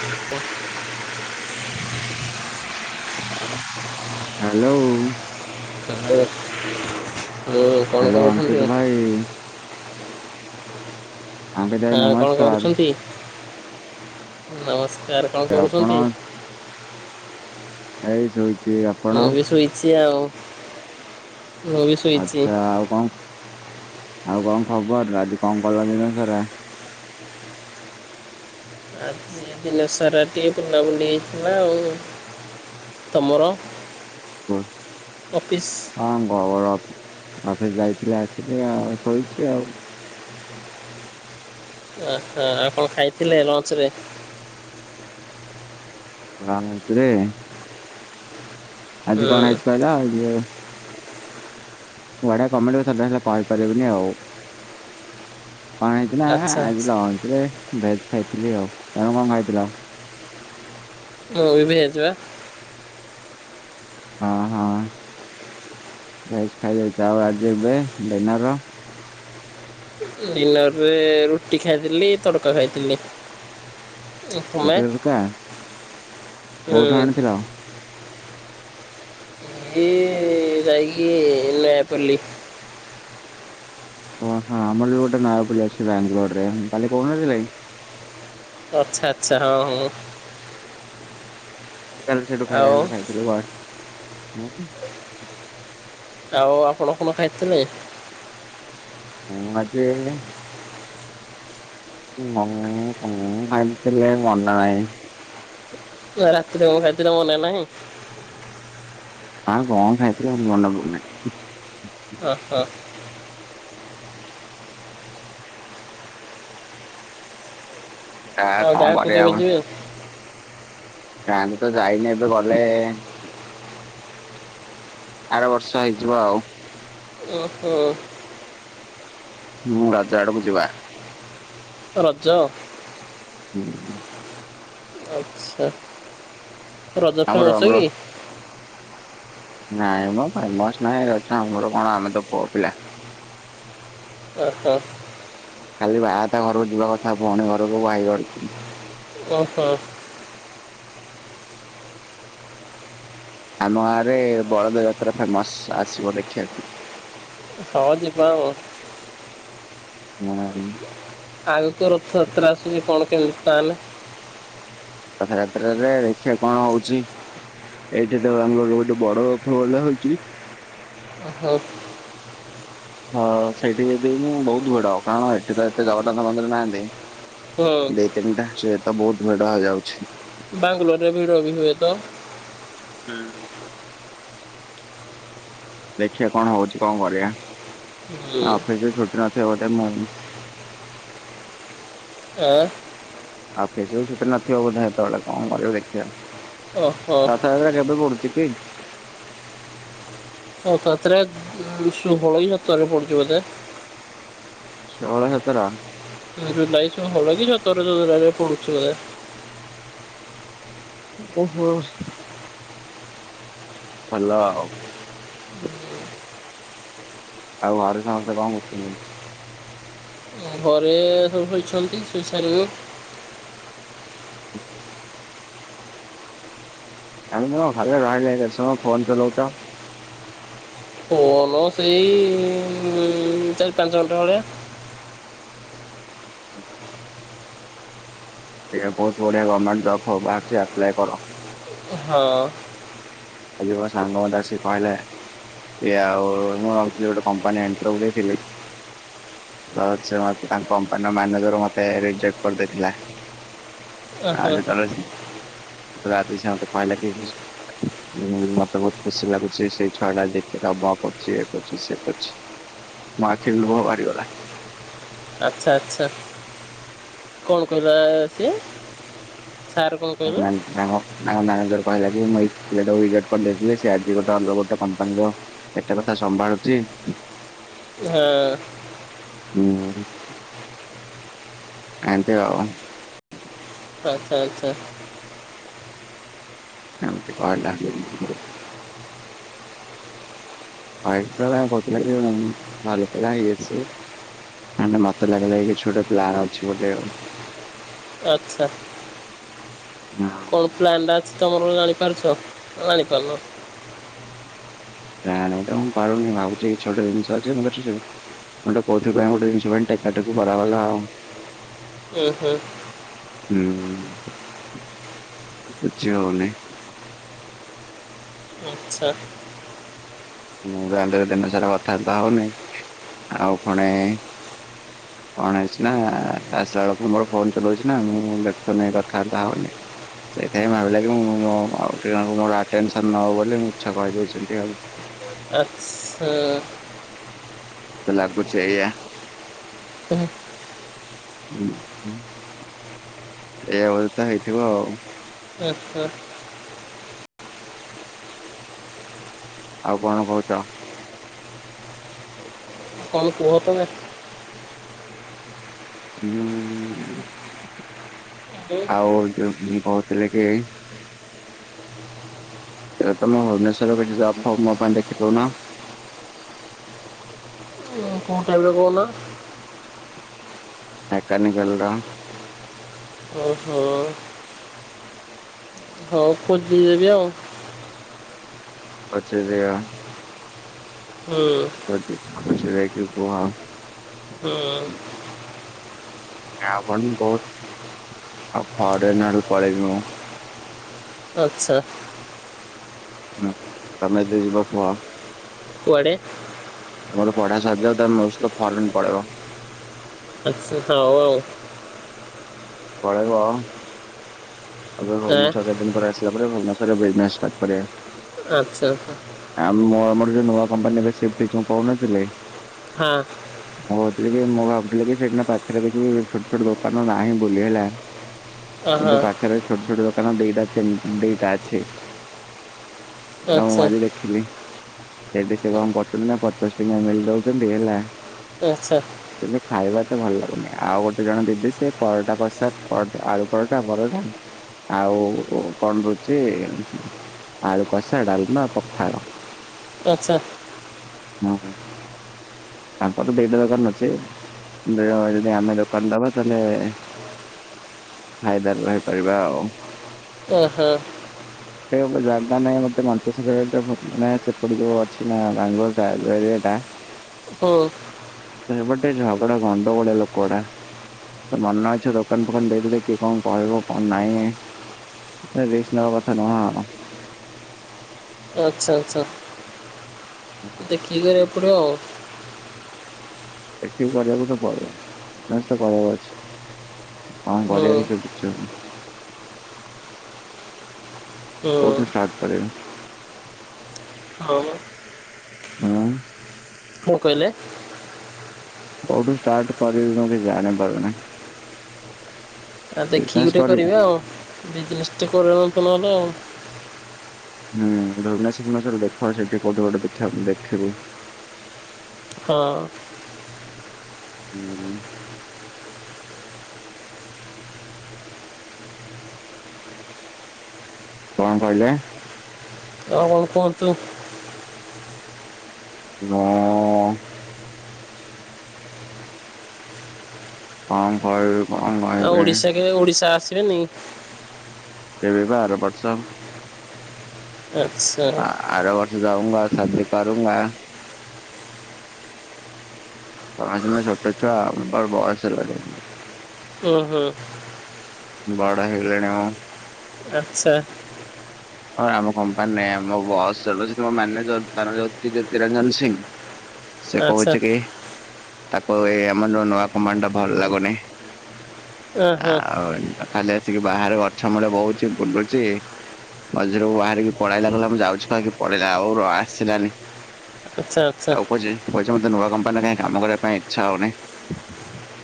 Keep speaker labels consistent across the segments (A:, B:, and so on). A: [unintelligible] [inaudible]
B: Hello.
A: [unintelligible]
B: Hello Ankit ଭାଇ। ଅଙ୍କିତ ଭାଇ
A: ହଁ କଣ
B: ନମସ୍କାର
A: କରୁଛନ୍ତି ନମସ୍କାର କଣ
B: ଆପଣ
A: କରୁଛନ୍ତି।
B: ଏଇ ଶୋଇଛି ଆପଣ
A: ବି ଶୁୋଇଛି ଆଉ। ମୁଁ ବି ଶୋଇଛି।
B: ଆଚ୍ଛା ଆଉ କଁ ଆଉ କଁ ଖବର ଆଜି କଣ କଲା ଦିନ ସାର
A: ଆଜି ଦିନ ସାରା ଟିକେ ବୁଲାବୁଲି ହେଇଥିଲା ଆଉ। ତମର ଅଫିସ୍।
B: ହଁ ଗବର ଅପ ଅଫିସ୍ ଯାଇଥିଲି ଆସିଲି ଆଉ ଶୋଇଛି ଆଉ।
A: ଆଛା ଆଉ କଁ ଖାଇ ଥିଲେ ଲଞ୍ଚ ରେ।
B: ଲଞ୍ଚ୍ ରେ। ଆଜି
A: ହୁଁ
B: କଣ ହେଇଛି କହିଲ ଏ ଯୋଉ। ବଢିଆ କମେଡି କଥା ଟା ହେଲେ କହି ପାରିବିନି ଆଉ। କଁ ହେଇଛି ନା
A: ଆଚ୍ଛା
B: ଆଜି ଲଞ୍ଚ୍ ରେ ଭେଜ ଖାଇଥିଲି ଆଉ ତମେ କଁ ଖାଇଥିଲ।
A: ଦହି ପେଁଇ କିଛି ବା।
B: ହଁ ହଁ ଭେଜ ଖାଇ ଯାଇଛ ଆଉ ଆଜି ଏବେ ଡିନର।
A: ଡିନର ରେ ରୁଟି ଖାଇଥିଲି ତଡକା ଖାଇଥିଲି। ଏ
B: ରୁଟି
A: ପୁଳାଏ
B: ତଡ଼କା
A: ହୁଁ।
B: କୋଉଠୁ ଆଣିଥିଲ
A: ଏ ଯାଇକି ନେୟାପଲୀ।
B: ଓ ହଁ ଆମର ବି ଗୋଟେ ନାୟାପଲ୍ଲି ଅଛି ବାଙ୍ଗାଲୋର ରେ ମୁଁ କାଲି କହୁ ନଥିଲି।
A: ଅଚ୍ଛା ଆଚ୍ଛା ହଁ ହଁ।
B: କାଲି ସେଠୁ ଖାଇବା
A: ଆଉ
B: ଆଣି ଖାଇଥିଲୁ ବା।
A: ଆଉ ଆପଣ କଣ ଖାଇଥିଲେ।
B: ମୁଁ ଆଜି। ମନ୍ କଁ ଖାଇଥିଲି ମନେ ନାଇଁ।
A: କି ବା ରାତିରେ କଣ ଖାଇଥିଲ ‌ମନେ ନାହିଁ।
B: ଆଉ ‌କଁ ଖାଇଥିଲି ମୋର ମନେ ପଡୁନି।
A: ଓ ହୋ।
B: ଆ
A: ଆଉ
B: କଣ
A: ଗାଁ କୁ
B: କରିବା
A: କେବେ ଯିବେ।
B: ଗାଁ କୁ ତ ଯାଇନି ଏବେ ଗଲେ। ଆର ବର୍ଷ ହେଇଯିବ ଆଉ।
A: ଓହୋ।
B: ହୁଁ ରଜ ଆଡକୁ ଯିବା।
A: ରଜ।
B: ହୁଁ।
A: ଆଛା ରଜ
B: ଆମର
A: ଫେମସ
B: ଆମର
A: କି।
B: ନାଇଁ ମ ଫେମସ ନାଇ ରଜ ଆମର କଣ ଆମେ ତ ପୁଅ ପିଲା।
A: ଓ ହୋ।
B: ଖାଲି ‌ଆ ତା ‌ଘରକୁ ଯିବା କଥା ଭଉଣୀ ଘରକୁ ଭାଇ ଘରକୁ।
A: ଓହୋ।
B: ଆମ ଗାଁରେ ବଳଦ ଯାତ୍ରା ଫେମସ୍ ଆସିବ ଦେଖିବାକୁ।
A: ହଁ ଜିବା ଆଉ।
B: ମୁଁ ବା ଜିବି।
A: ଆଗକୁ ରଥଯାତ୍ରା ଆସୁଛି କଣ କେମିତି ତାହେଲେ।
B: ରଥ ଯାତ୍ରାରେ ଦେଖିବା କଣ ହଉଛି। ଏଇଠି ତ ବାଙ୍ଗାଲୋର୍ ରେ ଗୋଟେ ବଡ ରଥ ଭଳିଆ ହଉଛି।
A: ଓହୋ।
B: ହଁ ସେଇଠି ଯିବି ବି ମୁଁ ବହୁତ ଭିଡ ଆଉ କାରଣ ଏଠି ତ ଏତେ ଜଗନ୍ନାଥ ମନ୍ଦିର ନାହାନ୍ତି।
A: ହୁଁ
B: ଦି ତିନିଟା ସେତ ବହୁତ୍ ଭିଡ ହେଇ ଯାଉଛି।
A: ବାଙ୍ଗଲୋର୍ ରେ ଭିଡ଼ ବି ହୁଏତ।
B: ହୁଁ। ଦେଖିବା କଣ ହଉଛି କଣ କରିବା
A: ହୁଁ
B: ନା ଅଫିସ ଜଦି ଛୁଟି ନଥିବ ବୋଧେ ମୁଁ।
A: ଆଁ।
B: ଅଫିସ୍ ବି ଛୁଟି ନଥିବ ବୋଧେ ଏତେବେଳେ କଣ କରିବ ଦେଖିବା?
A: ଓହୋ
B: ରଥଯାତ୍ରା କେବେ ପଡୁଛି କି?
A: ରଥଯାତ୍ରା ଷୋହଳ କି ସତରେ ପଡ଼ୁଛି ବୋଧେ
B: ସୋହଲ ସତର।
A: [inaudible]
B: ଓ ହୋ। ଭଲ ଆଉ ଆଉ ଘରେ ସମସ୍ତେ କଣ କରୁଛନ୍ତି?
A: ଘରେ ସବୁ ଶୋଇଛନ୍ତି ଶୋଇସାଇ
B: [inaudible] ଫୋନ ଚଲଉଛ।
A: ଫୋନ ସେଇ ଚାରି ପାଞ୍ଚ ଘଣ୍ଟା ଭଳିଆ।
B: ଏ ବହୁତ ବଢିଆ ଗମେଣ୍ଟ ଜବ୍ ହ ବାହାରିଛି ଆପ୍ଲାଏ କର।
A: ହଁ।
B: ଆଜିି ମୋ ସାଙ୍ଗ ଆସି କହିଲେ? ଏ ଆଉ ମୁଁ ଗୋଟେ କମ୍ପାନୀ [inaudible] ତ ସେ ମତେ ତାଙ୍କ କମ୍ପାନୀର ମ୍ୟାନେଜର ମତେ ରିଜେକ୍ଟ କରିଦେଇଥିଲା। ଆ
A: ଓହୋ
B: ରାତି ସାତ କଏଲା କେ। ହଁ ମତେ ମତେ ଖୁସି ଲାଗୁଛି ସେଇ ଛୁଆଟା ଯେତେ ଆଜି [inaudible] କରୁଛି ସେ କରୁଛି। ମୋ ଆଖିରୁ ଲୁହ ବାହାରିଗଲା।
A: ଆଚ୍ଛା ଆଚ୍ଛା କଣ କଇଲା ସିଏ ସାର୍ କଣ କହିଲେ
B: ହଁ। ମ୍ୟାନେଜର କହିଲା କି ମୁ ଏଇ ପିଲାଟାକୁ ରେଜେକ୍ଟ କରିଥିଲି ସେ ଆଜି ଗୋଟେ ଅଲଗା ଗୋଟେ କମ୍ପାନୀର ଏତେ କଥା ସମ୍ଭାଳୁଚି।
A: ଅ
B: ମୁଁ କାନ୍ଦେ ଆଉ
A: ଆଚ୍ଛା ଆଚ୍ଛା ଆଚ୍ଛା।
B: ଏମିତି କହିଲା। [inaudible] ଭଲ ପିଲା ହେଇଯାଇଛି। ନା ନା ମତେ ଲାଗିଲା କି କିଛି ଗୋଟେ ପ୍ଲାନ୍ ଅଛି ବୋଲି ଆଉ
A: ଆଚ୍ଛା।
B: ହଁ।
A: କଣ ପ୍ଲାନ୍ ଟା ଅଛି ତମର ଜାଣିପାରୁଛ ଜାଣିପାରୁନ?
B: ନା ଜାଣି ତ ମୁଁ ପାରୁନି ଭାବୁଛି କିଛି ଗୋଟେ ଜିନିଷ ଅଛି ମ ମୁଁ କଉଥି ପାଇଁ ଗୋଟେ ଜିନିଷ ପାଇଁ ଟେକା ଟେକି କରାଗଲା ଆଉ
A: ଓଁ ହୁଁ।
B: ହୁଁ ବୁଝି ହଉ ନାହିଁ।
A: ଆଚ୍ଛା।
B: ମୁଁ ରାଣ୍ଡରେ ଦିନ ସାରା କଥାବାର୍ତ୍ତା ହଉନି ଆଉ ଫୁଣି କଣ ହେଇଛି ନା ଆସିଲା ବେଳକୁ ମୋର ଫୋନ ଚଲଉଛି ନା ମୁଁ ଦେଖୁନେଇ କଥାବାର୍ତ୍ତା ହଉନି। ସେଇଥିାଇଁ ଭାବିଲା କିଁ ମୋର ଆଟେନସନ ନବ ବୋଲି ମୁଁ ମିଛ କହିଦଉଛନ୍ତି ଆଉ।
A: ଆଛା।
B: ମତେ ଲାଗୁଛି ଏଇୟା।
A: [unintelligible]
B: ଏଇଆ ଅବସ୍ଥା ହେଇଥିବ ଆଉ।
A: ଆଚ୍ଛା।
B: ଆଉ କଣ କହୁଛ?
A: କଣ କୁହ ତମେ?
B: ହଁ
A: ଉଁ,
B: ଆଉ ଯୋଉ ମୁଁ କହୁଥିଲି କି ତମେ ଭୁବନେଶ୍ୱରରେ ଯବ୍ ଫବ୍ ମୋ ପାଇଁ ଦେଖି ଦଉନ।
A: କୋଉ ଟାଇପର କହୁନ?
B: ମେକାନିକାଲ ର।
A: ଓହୋ। ହଉ ଖୋଜି ଦେବି ଆଉ।
B: ଖୋଜିଦିଅ।
A: ହୁଁ।
B: [unintelligible] ଖୋଜି ଦେଇକି କୁହ।
A: ହଁ।
B: ପଣ ବହୁତ ଫରେନ ଆରକୁ ପଳେଇବି ମୁଁ।
A: ଆଛା।
B: ହୁଁ ତମେ ଯଦି ଯିବ କୁହ।
A: କୁଆଡେ?
B: ମୋର ପଢା ସରି ଯାଉ ତାପରେ ମୋ ସହିତ ଫରେନ୍ ପଳେଇବ।
A: ଆଛା ହଁଉ ଆଉ।
B: ପଳେଇବ ଆ
A: ଆଁ
B: ଭୁବନେଶ୍ଵର କେତେ ଦିନ ପରେ ଆସିଲା ପରେ ଭୁବନେଶ୍ୱରରେ ବିଜନେସ ଷ୍ଟାର୍ଟ କରିବା।
A: ଆଛା।
B: ଆ ମୁଁ ଆମର ଯୋଉ ନୂଆ କମ୍ପାନୀ ଏବେ ସିଫ୍ଟ ହେଇଛି ମୁଁ କହୁନଥିଲି
A: ହଁ।
B: ମୁଁ କହୁଥିଲି କି ମୁଁ ଭାବୁଥିଲି କି ସେଇଠି ପାଖରେ କିଛି ଛୋଟ ଛୋଟ ଦୋକାନ ନାହିଁ ବୁଲି ହେଲା।
A: [inaudible]
B: କିନ୍ନ୍ତୁ ପାଖରେ ଛୋଟ ଛୋଟ ଦୋକାନ ଦିଟା ତିନ ଦିଟା ଅଛି। ହ ମୁଁ ଆଜି ଦେଖିଲି। ସେଠି ସେ କଣ କରଛୁ ନା ପଚାଶ ଟଙ୍କା ମିଲ ଦଉଛନ୍ତି ହେଲା।
A: ଆଛା।
B: ଏବେ ଖାଇବା ତ ଭଲ ଲାଗୁନି। ଆଉ ଗୋଟେ ଜଣ ଦିଦି ସେ ପରଟା ପ୍ରସାଦ ପରା ଆଳୁ ପରଟା ପରଟା ଆଉ କଣ ଦଉଚି ଆଳୁ କଷା ଡାଲମା ପଖାଳ।
A: ଆଛା।
B: [unintelligible] ତାଙ୍କର ଦି ଟା ଦୋକାନ ଅଛି। ଯଦି ଆମେ ଦୋକାନ ଦବା ତାହେଲେ ଫାଇଦାରେ ରହିପାରିବା ଆଉ।
A: ଓ ହୋ।
B: ସେ ଗୋଟ ଜାଗା ନାଇଁ ମତେ ମଞ୍ଚର ମାନେ ସେପଟେ ଯୋଉ ଅଛି ନା ବାଙ୍ଗାଲୋର ଟା ଯୋଉ ଏରିଆ ଟା।
A: ହୁଁ।
B: ସେ ପଟେ ଝଗଡ଼ ଗଣ୍ଡଗୋଳିଆ ଲୋକ ଗୁଡା। ତ ମନେ ଇଚ୍ଛା ଦୋକାନ ଦୋକାନ ଦେଇଦେବେ କିଏ କଣ କହିବ କଣ ନାହିଁ। ସେ ରିସ୍କ ନବା କଥା ନୁଁହ।
A: ଆଛା ଆଛା। ଦେଖିକି କରିଆକୁ ପଢ଼ିବ ଆଉ।
B: ଦେଖିକି କରିଆକୁ ପଢ଼ିବ ଆଉ। କର ଅଛି। କ
A: ହୁଁ
B: କରଆ କିଛି ବ ଆଛା।
A: ହୁଁ
B: କଉୋଠୁ ଷ୍ଟାର୍ଟ କରିବି
A: ହଁ ବା।
B: ହଁ।
A: କଣ କହିଲେ?
B: କୋଉଠୁ ଷ୍ଟାର୍ଟ କରିବି ମୁଁ କିଛି ଜାଣି ପାରୁନି।
A: ଆଉ ଦେଖିକି ଗ
B: ବିଜନେସ୍
A: ଟେ
B: କରିବି
A: କରେ
B: ହୁଁ
A: ଆଉ। ବିଜନେସ ଟେ କରନ୍ତ ନହେଲେ ଆଉ।
B: ହୁ ଭୁବନେଶର ଭବନେଶ୍ଵରରେ ଦେଖ ସେ ଟିକେ କହୁିବ। ମୁଁ ଦେଖିବି।
A: ହଁ।
B: ହୁଁ। କଣ କହିଲେ?
A: ଆଉ କଣ କୁହନ୍ତୁ?
B: ହୁଁ। କଣ କହିବି? କଣ
A: ଆଉ
B: କହିବି
A: ଓଡିଶା କେବେ ଓଡିଶା ଆସିବେନି?
B: କେବେ ପା ଆର ବର୍ଷ?
A: ଆଚ୍ଛା।
B: [unintelligible] ତମେ ସିନା ଛୋଟ ଛୁଆ ଆମର ବୟସ ହେଲାଣୀ।
A: ଓହ।
B: ବଡ ହେଇଗଲିଣି ମୁଁ।
A: ଆଚ୍ଛା।
B: ହଁ ଆମ କମ୍ପାନୀରେ ଆମ ବସ୍ ଚାଲୁଛି ଆମ ମ୍ୟାନେଜର ଅଛି ଜ୍ୟୋତିରଞ୍ଜନ ସିଂହ। ସେ
A: ଆଚ୍ଛା
B: କହୁଛି କି ତାକୁ ଏ ଆମ ନୂଆ କମ୍ପାନୀଟା ଭଲ ଲାଗୁନି।
A: ଓ ହୋ।
B: ହଉ ଖାଲି ଆସିକି ବାହାରେ ଗଛ ମୂଳ ବଉଛି ବୁଲୁଛି। ମଝିରୁ ବାହାରିକି ପଳେଇଲା କହିଲା ମୁଁ ଯାଉଛି କହିକି ପଳେଇଲା ଆଉ ଆସିଲାନି।
A: ଆଚ୍ଛା ଆଚ୍ଛା
B: ତାକୁ କହୁଛି କହୁଛି ମତେ ନୂଆ କମ୍ପାନୀ କାଇ କାମ କରିବା ପାଇଁ ଇଚ୍ଛା ହଉନି।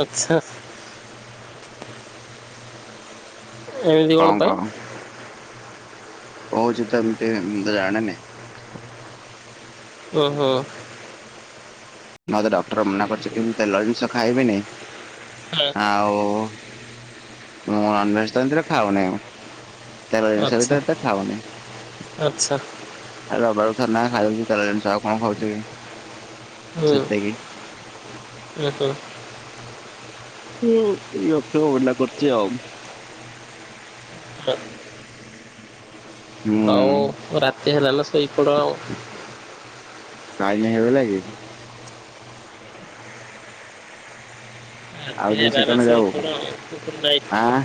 A: ଆଛା। ଏମିତି
B: କଣ
A: ପାଇଁ
B: କଣ କହୁଛି ତ ଏମିତି ମୁଁ ତ ଜାଣେନି।
A: ଓହୋ।
B: ମତେ ଡକ୍ଟର ମନା କରୁଛ କି ମୁଁ ତେଲ ଜିନିଷ ଖାଇବିନି।
A: ହଁ
B: ଆଉ ମୁଁ ନନଭେଜ ଏମିତିରେ ଖାଉନି ଆ। ତଲ ଜିନିଷ ବି
A: ଆଚ୍ଛା
B: ତ ଏଟେ ଖାଉନି।
A: ଆଚ୍ଛା
B: ଆଉ ରବିବାର କୁ ଥରେ ନାଖା ଖାଇଦେଉଛି ତେଲ ଜିନିଷ। ଆଉ କଣ ଖାଉଛି କି।
A: ହୁଁ
B: ସେତିକି।
A: ଉହୁ।
B: ହୁଁ ଏ ଡାକ୍ତର ମନାକରିଛି ଆଉ।
A: ହଁ।
B: ହୁଁ
A: ହଉ ରାତି ହେଲାନା ଶୋଇପଡ ଆଉ।
B: ଟାଇମ ହେଇ ଗଲାକି? ଆଉ
A: ରାତି
B: ଦି
A: ହେଲାନା
B: ସେକେଣ୍ଡ ଯାଉ
A: ଶୋଇପଡ ଆଉ ଗୁଡ଼ନାଇଟ।
B: ଆଁ